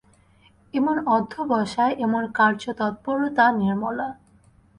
এমন অধ্যবসায়, এমন কার্যতৎপরতা– নির্মলা।